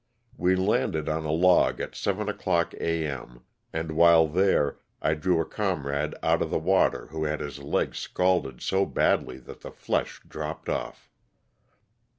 We landed on a log at seven o'clock A. M., and while there I drew a comrade out of the water who had his leg scalded so badly that the flesh dropped off.